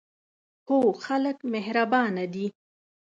هو، خلک مهربانه دي